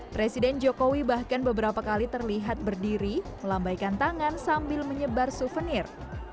presiden jokowi bahkan beberapa kali terlihat berdiri melambaikan tangan sambil menyebar souvenir